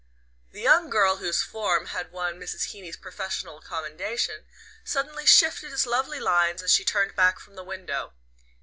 The young girl whose "form" had won Mrs. Heeny's professional commendation suddenly shifted its lovely lines as she turned back from the window.